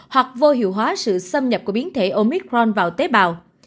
hoặc vô hiệu hóa sự xâm nhập của biến thể omicron vào tế bào